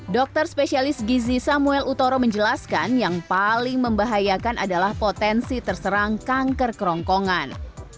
dokter spesialis gizi samuel utoro menjelaskan yang paling membahayakan adalah potensi terserang kanker kerongkongan